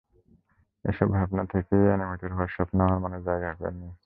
এসব ভাবনা থেকেই অ্যানিমেটর হওয়ার স্বপ্ন আমার মনে জায়গা করে নিয়েছে।